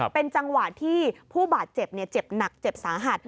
เป็นจังหวะที่ผู้บาดเจ็บเจ็บหนักเจ็บสาหัส